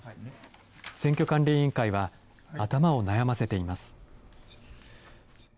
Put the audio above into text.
選挙管理委員会は、頭を悩ませています。